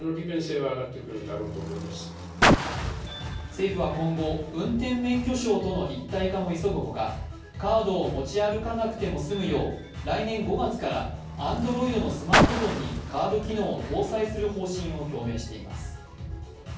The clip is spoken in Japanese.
政府は今後、運転免許証との一体化も急ぐほか、カードを持ち歩かなくても済むよう来年５月から、Ａｎｄｒｏｉｄのスマートフォンにカード機能を搭載する方針を表明しています。